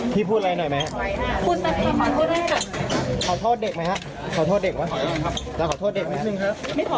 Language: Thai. พี่พูดอะไรหน่อยไหมครับขอโทษเด็กไหมครับขอโทษเด็กไหมครับจะขอโทษเด็กไหมครับ